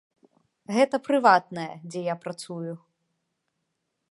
Гэта прыватнае, дзе я працую!